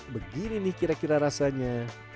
begini nih kira kira rasanya